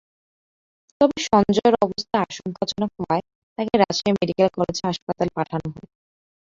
তবে সঞ্জয়ের অবস্থা আশঙ্কাজনক হওয়ায় তাঁকে রাজশাহী মেডিকেল কলেজ হাসপাতালে পাঠানো হয়।